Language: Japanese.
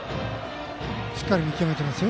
しっかり見極めてますよ。